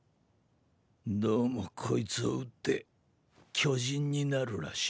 どうもこいつを打って巨人になるらしいな。